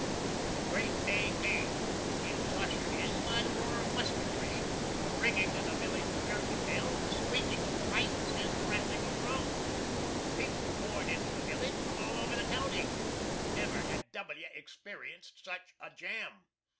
The great day came. It was ushered in by the roar of musketry, the ringing of the village church bell, the squeaking of fifes, and the rattling of drums. People poured into the village from all over the county. Never had W experienced such a jam.